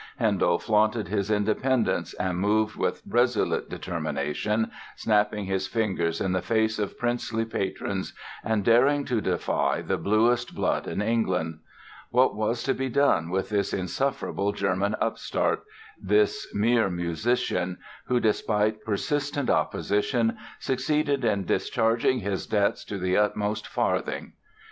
Handel flaunted his independence and moved with resolute determination, snapping his fingers in the face of princely patrons and daring to defy the bluest blood in England. What was to be done with this insufferable German upstart, this mere musician, who despite persistent opposition succeeded in discharging his debts to the uttermost farthing?